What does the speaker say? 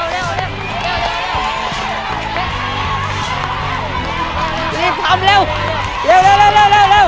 เร็วรีบทำเร็วเร็วเร็วเร็วเร็วเร็วเร็วเร็ว